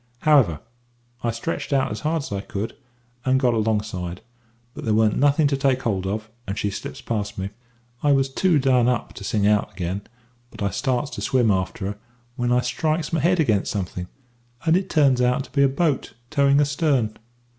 "However, I stretched out as hard as I could, and got alongside; but there warn't nothing to take hold of, and she slips past me. I was too done up to sing out again; but I starts to swim after her, when I strikes my head against something, and it turns out to be a boat towing astern.